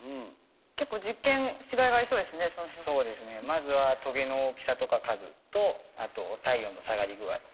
まずはトゲの大きさとか数とあと体温の下がり具合。